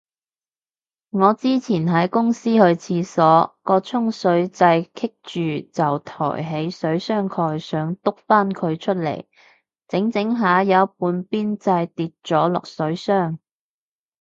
我之前喺公司去廁所，個沖水掣棘住就抬起水箱蓋想篤返佢出嚟，整整下有半邊掣跌咗落水箱